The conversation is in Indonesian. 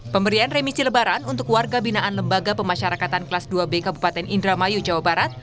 pemberian remisi lebaran untuk warga binaan lembaga pemasyarakatan kelas dua b kabupaten indramayu jawa barat